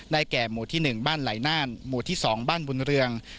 แก่หมู่ที่๑บ้านไหลน่านหมู่ที่๒บ้านบุญเรือง